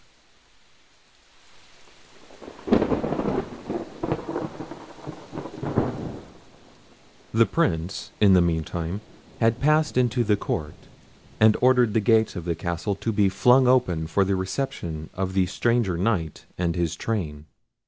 The Prince, in the meantime, had passed into the court, and ordered the gates of the castle to be flung open for the reception of the stranger Knight and his train.